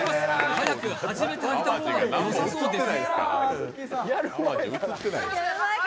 早く始めてあげた方がよさそうです。